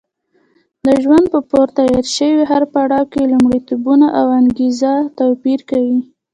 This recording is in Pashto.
د ژوند په پورته یاد شوي هر پړاو کې لومړیتوبونه او انګېزه توپیر کوي.